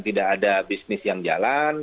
tidak ada bisnis yang jalan